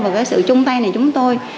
và cái sự chung tay này của chúng tôi